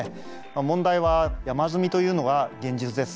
問題は山積みというのが現実です。